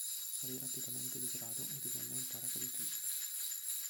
Salì rapidamente di grado e divenne un paracadutista.